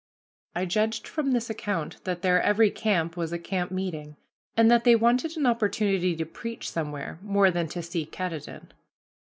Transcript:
I judged from this account that their every camp was a camp meeting, and that they wanted an opportunity to preach somewhere more than to see Katahdin.